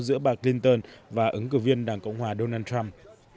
giữa bà clinton và ứng cử viên đảng cộng hòa donald trump